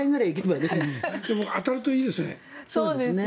でも当たるといいですね。